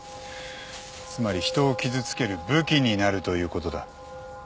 つまり人を傷つける武器になるということだ。